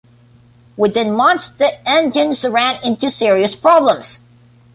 Within months the engines ran into serious problems.